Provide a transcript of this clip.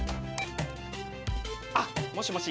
あっもしもし。